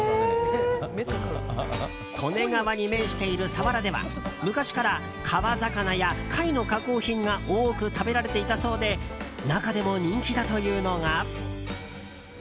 利根川に面している佐原では昔から、川魚や貝の加工品が多く食べられていたそうで中でも人気だというのが。